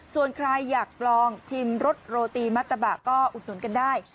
ส่วนใครอยากลองชิมรสโรตีมัตตะบะก็อุดหนุนกันได้